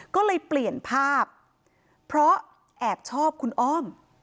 ก็เลยเปลี่ยนภาพเพราะแอบชอบคุณอ้อม